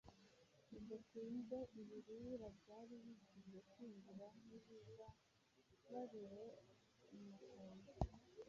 bidatinze ibirura byari bigiye kwinjira, ntibibabarire umukumbi.